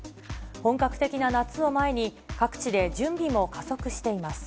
本格的な夏を前に、各地で準備も加速しています。